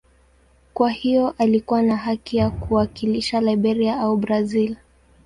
Kwa hiyo alikuwa na haki ya kuwakilisha Liberia au Brazil.